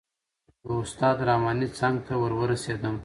د استاد رحماني څنګ ته ور ورسېدم.